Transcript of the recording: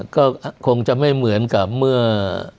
ก็คงจะไม่เหมือนกับเมื่อ